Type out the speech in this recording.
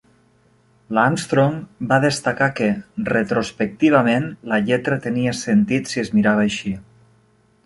L'Armstrong va destacar que, retrospectivament, la lletra tenia sentit si es mirava així.